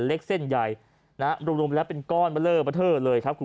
เล็กเส้นใหญ่นะรวมแล้วเป็นก้อนมาเล่อมาเท่าเลยครับคุณ